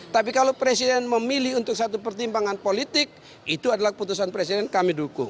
tapi kalau presiden memilih untuk satu pertimbangan politik itu adalah keputusan presiden kami dukung